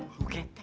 abi gak kuat bi